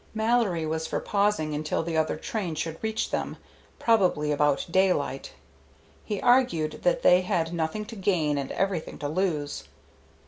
Mallory was for pausing until the other train should reach them, probably about daylight. He argued that they had nothing to gain and everything to lose.